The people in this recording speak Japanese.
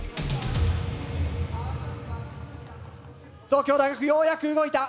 東京大学ようやく動いた。